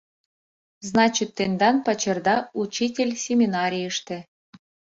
Значит, тендан пачерда учитель семинарийыште?